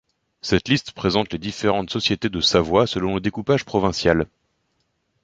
Cette liste présente les différentes sociétés de Savoie selon le découpage provincial.